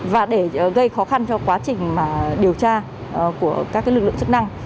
và để gây khó khăn cho quá trình điều tra của các lực lượng chức năng